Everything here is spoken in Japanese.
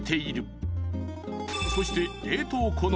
［そして］